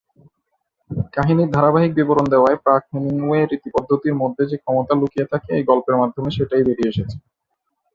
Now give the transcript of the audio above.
কাহিনীর ধারাবাহিক বিবরণ দেওয়ায় প্রাক-হেমিংওয়ে রীতি-পদ্ধতির মধ্যে যে ক্ষমতা লুকিয়ে থাকে এই গল্পের মাধ্যমে সেটাই বেরিয়ে এসেছে।